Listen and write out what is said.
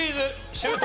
シュート！